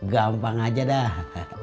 gampang aja dah